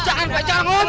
jangan pak jangan